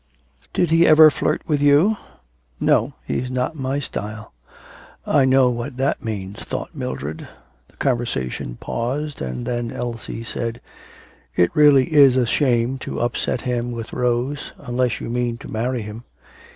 'Did he ever flirt with you?' 'No; he's not my style.' 'I know what that means,' thought Mildred. The conversation paused, and then Elsie said: 'It really is a shame to upset him with Rose, unless you mean to marry him.